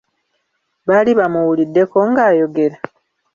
Baali bamuwuliddeko ng'ayogera?